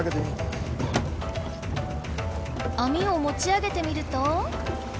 網をもちあげてみると。